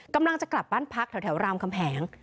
กำลังจะกลับบ้านพักแถวรามคำแหง